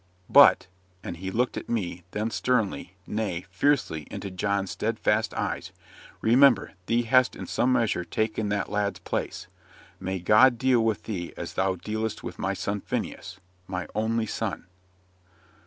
But" and he looked at me, then sternly, nay, fiercely, into John's steadfast eyes "remember, thee hast in some measure taken that lad's place. May God deal with thee as thou dealest with my son Phineas my only son!"